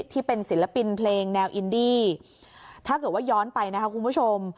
ที่เป็นศิลปินเพลงแนวอินดี้ถ้าเกิดว่าย้อนไปนะคะคุณผู้ชม